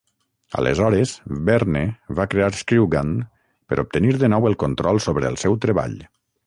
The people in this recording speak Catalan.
Aleshores Berne va crear Screwgun per obtenir de nou el control sobre el seu treball.